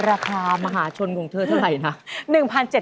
ราคามหาชนกับเธอเท่าไรนะ